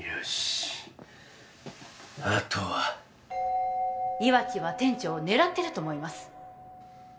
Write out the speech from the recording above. しっあとは岩城は店長を狙ってると思います